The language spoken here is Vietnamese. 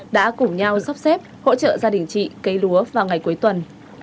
đã cùng nhau sắp xếp hỗ trợ gia đình chị cấy lúa vào ngày cuối tuần